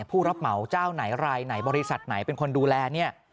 ผู้รับเหมาเจ้าไหนรายไหนบริษัทไหนเป็นคนดูแลเนี่ย